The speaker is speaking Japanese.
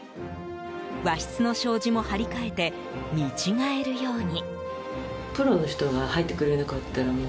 和室の障子も張り替えて見違えるように。